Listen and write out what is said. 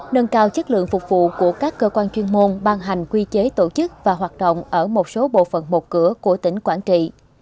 nâng cao chất lượng phục vụ của các cơ quan chuyên môn ban hành quy chế tổ chức và hoạt động ở một số bộ phận một cửa của tỉnh quảng trị